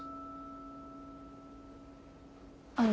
あの。